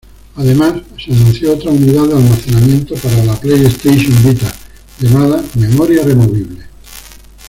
Además se anunció otra unidad de almacenamiento para la PlayStation Vita, llamada "Memoria removible".